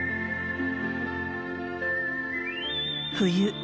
冬。